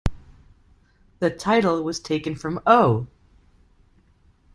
The title was taken from Oh!